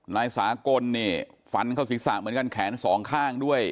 นายสากลเนี่ยฟันเข้าศีรษะเหมือนกันแขนสองข้างด้วย